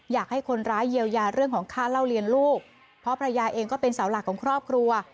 อยากให้คนร้ายเยียวยาเรื่องของค่าเล่าเรียนลูกเพราะภรรยาเองก็เป็นเสาหลักของครอบครัว